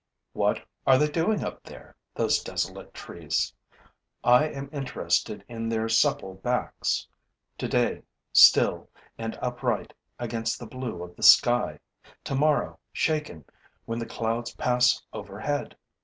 'What are they doing up there, those desolate trees? I am interested in their supple backs, today still and upright against the blue of the sky, tomorrow shaken when the clouds pass overhead.